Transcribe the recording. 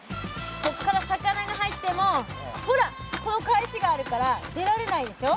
こっから魚が入ってもほらこの返しがあるから出られないでしょ。